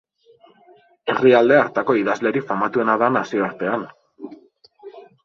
Herrialde hartako idazlerik famatuena da nazioartean.